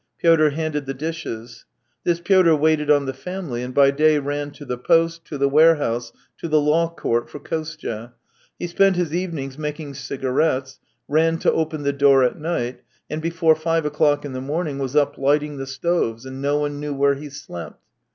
Pyotr handed the dishes. This Pyotr waited on the family, and by day ran to the post, to the warehouse, to the law court for Kostya; he spent his evenings making cigarettes, ran to open the door at night, and before five o'clock in the morning was up lighting the stoves, and no one knew where he slept.